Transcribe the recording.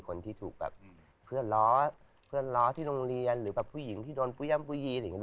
คนที่ถูกแบบเพื่อนล้อที่โรงเรียนหรือแบบผู้หญิงที่โดนกุย่ำกุยยีอะไรอย่างนี้